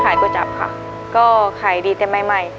ขายกระจับค่ะก็ขายดีแต่ใหม่